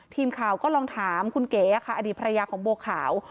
ทีมข่าวก็ลองถามคุณเก๋ค่ะอดีตภรรยาของบัวขาว